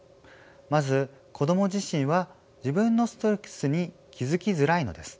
まず子ども自身は自分のストレスに気付きづらいのです。